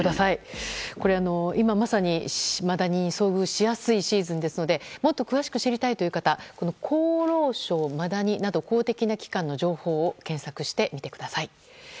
今まさにマダニに遭遇しやすいシーズンですのでもっと詳しく知りたいという方は「厚労省マダニ」など公的な機関の情報を検索してください。